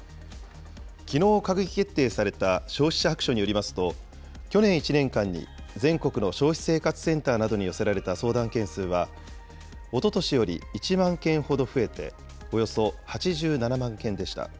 きのう閣議決定された消費者白書によりますと、去年１年間に全国の消費生活センターなどに寄せられた相談件数は、おととしより１万件ほど増えて、およそ８７万件でした。